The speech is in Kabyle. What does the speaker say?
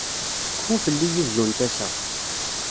Kfu fell-i uzzu n tasa.